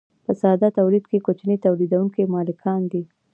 په ساده تولید کې کوچني تولیدونکي مالکان دي.